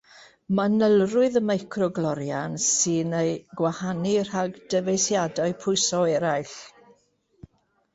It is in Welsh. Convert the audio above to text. Manylrwydd y micro-glorian sy'n ei gwahanu rhag dyfeisiadau pwyso eraill.